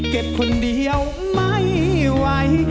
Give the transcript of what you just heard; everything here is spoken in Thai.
เก็บคนเดียวไม่ไหว